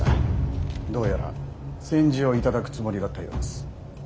どうやら宣旨を頂くつもりだったようです。